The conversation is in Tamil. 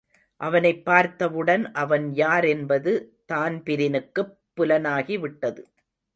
அவனைப் பார்த்தவுடன் அவன் யாரென்பது தான்பிரினுக்குப் புலனாகிவிட்டது.